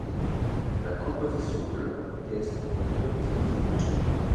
La composition de l’orchestre est optimisée.